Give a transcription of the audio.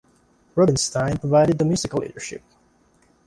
Rubinstein provided the musical leadership.